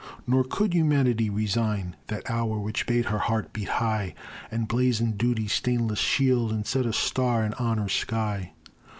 Nor could Humanity resign That hour which bade her heart beat high, And blazoned Duty's stainless shield, And set a star in Honor's sky.